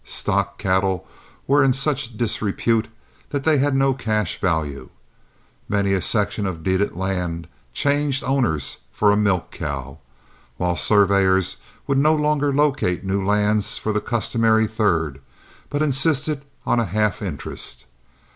Stock cattle were in such disrepute that they had no cash value. Many a section of deeded land changed owners for a milk cow, while surveyors would no longer locate new lands for the customary third, but insisted on a half interest.